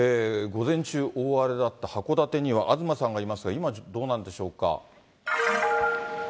午前中、大荒れだった函館には東さんがいますが、今、どうなんでしょうか。